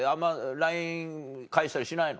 ＬＩＮＥ返したりしないの？